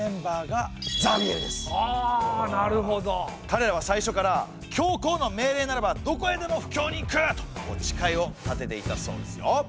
かれらは最初から「教皇の命令ならばどこへでも布教に行く！」と誓いを立てていたそうですよ。